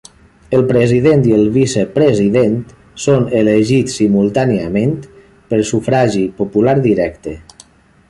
El president i el vicepresident són elegits simultàniament per sufragi popular directe.